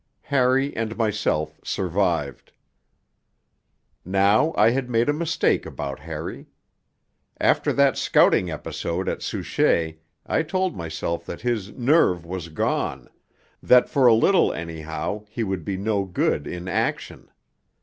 Harry and myself survived. Now I had made a mistake about Harry. After that scouting episode at Souchez I told myself that his 'nerve' was gone, that for a little anyhow he would be no good in action.